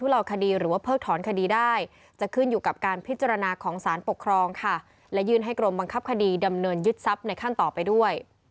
และยื่นให้กรมบังคับคดีดำเนินยึดทรัพย์ในขั้นต่อไปด้วย